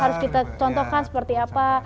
harus kita contohkan seperti apa